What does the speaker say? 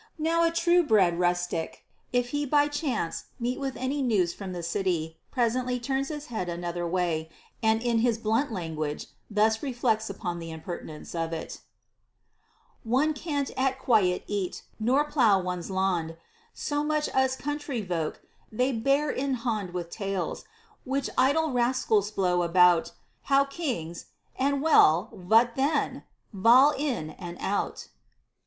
Now a true bred rustic, if he by chance meet with any news from the city, presently turns his head another way, and in his blunt language thus reflects upon the imper tinence of it : One can't at quiet eat, nor plough one's lond ; Zo much us country voke they bear in bond With tales, which idle rascals blow about, How kings (and well, vhat then ?) vail in and out.